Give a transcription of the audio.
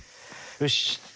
よし。